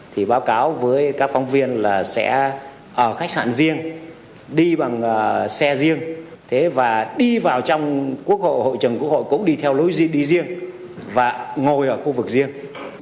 thì báo cáo với các phóng viên là sẽ ở khách sạn riêng đi bằng xe riêng thế và đi vào trong quốc hội hội trường quốc hội cũng đi theo lối đi riêng và ngồi ở khu vực riêng